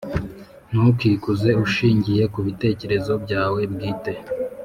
Ntukikuze ushingiye ku bitekerezo byawe bwite,